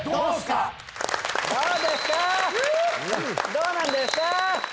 どうなんですかー？